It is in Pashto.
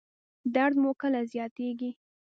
درد مو کله زیاتیږي؟